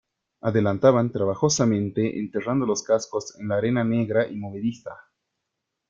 adelantaban trabajosamente enterrando los cascos en la arena negra y movediza.